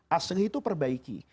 aslih itu perbaiki